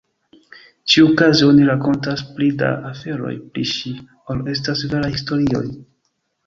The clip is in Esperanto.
Ĉiukaze oni rakontas pli da aferoj pri ŝi ol estas veraj historioj.